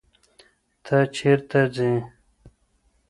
ته چیرته ځې.